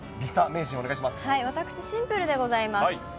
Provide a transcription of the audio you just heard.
私、シンプルでございます。